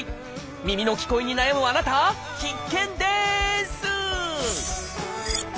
耳の聞こえに悩むあなた必見です！